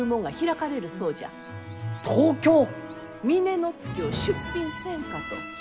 峰乃月を出品せんかと。